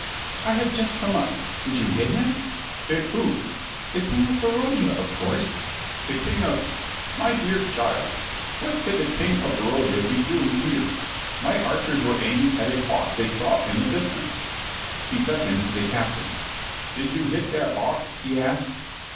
"I have just come up. Did you hit him?" "Hit who?" "The King of Barodia, of course." "The King of My dear child, what could the King of Barodia be doing here? My archers were aiming at a hawk that they saw in the distance." He beckoned to the Captain. "Did you hit that hawk?" he asked.